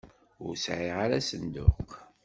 Ur sɛiɣ ara asenduq.